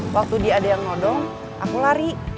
waktu dia ada yang ngodong aku lari